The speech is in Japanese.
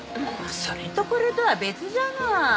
それとこれとは別じゃない！